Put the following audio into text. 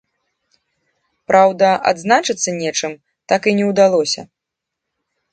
Праўда, адзначыцца нечым так і не ўдалося.